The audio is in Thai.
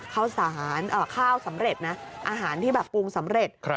ข้าวสารข้าวสำเร็จนะอาหารที่แบบปรุงสำเร็จ